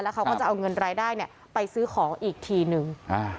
เขาก็จะเอาเงินรายได้ไปซื้อของอีกทีนึง